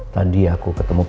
tadi aku ketemu dia